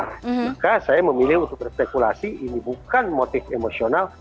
maka saya memilih untuk berspekulasi ini bukan motif emosional